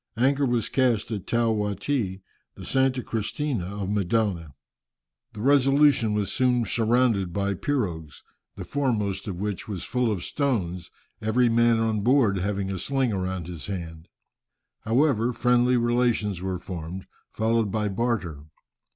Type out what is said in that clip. Anchor was cast at Tao Wati, the Santa Cristina of Mendana. The Resolution was soon surrounded by pirogues, the foremost of which was full of stones, every man on board having a sling round his hand. However, friendly relations were formed, followed by barter.